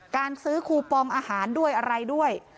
การซื้อคูปองอาหารด้วยอะไรด้วย